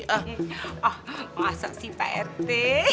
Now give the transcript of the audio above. ah masa sih pak r t